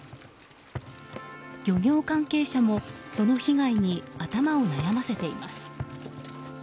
漁業関係者も、その被害に頭を悩ませています。